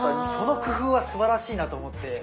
その工夫はすばらしいなと思って。